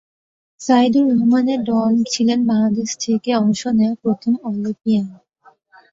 সাইদুর রহমান ডন ছিলেন বাংলাদেশ থেকে অংশ নেয়া প্রথম অলিম্পিয়ান।